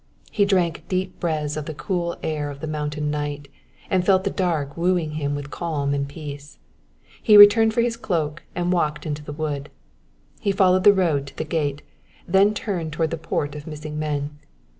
He drank deep breaths of the cool air of the mountain night, and felt the dark wooing him with its calm and peace. He returned for his cloak and walked into the wood. He followed the road to the gate, and then turned toward the Port of Missing Men.